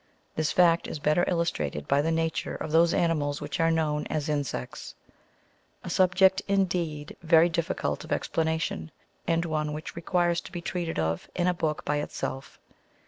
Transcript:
This fact is better illus trated by the nature of those animals which are known as in sects : a subject, indeed, xery difficult of explanation, and one which requires to be treated of in a Book" by itself.